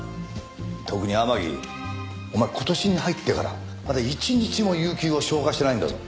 特に天樹お前今年に入ってからまだ一日も有休を消化してないんだぞ。